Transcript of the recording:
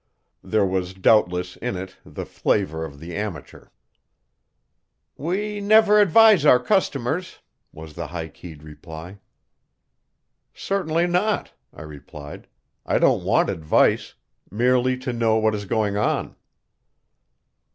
There was doubtless in it the flavor of the amateur. "We never advise our customers," was the high keyed reply. "Certainly not," I replied. "I don't want advice merely to know what is going on."